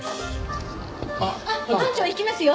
あっ班長行きますよ。